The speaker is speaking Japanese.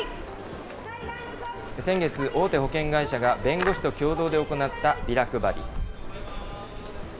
先月、大手保険会社が弁護士と共同で行ったビラ配り。